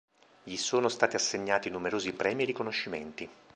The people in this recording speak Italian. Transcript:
Gli sono stati assegnati numerosi premi e riconoscimenti.